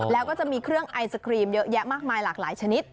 แล้วก็จะมีเครื่องไอศครีมเยอะแยะมากมายหลากหลายชนิด